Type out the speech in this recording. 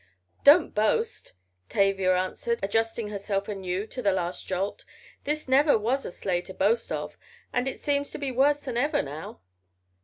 "Don't boast," Tavia answered, adjusting herself anew to the last jolt, "this never was a sleigh to boast of, and it seems to be worse than ever now.